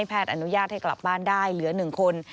อนุญาตให้กลับบ้านได้เหลือ๑คน